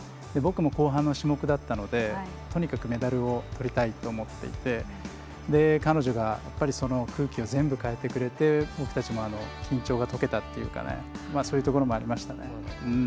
僕も後半の種目だったのでとにかくメダルをとりたいと思っていて彼女が空気を全部変えてくれて僕たちも緊張が解けたっていうかそういうところもありましたね。